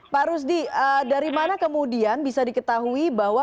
pak ruzdi oleh apa bicara damals prof ay planes yang mclian yang rugas bahwa